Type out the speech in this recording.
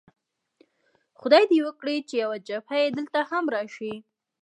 خدای دې وکړي چې یو جوپه یې دلته هم راشي.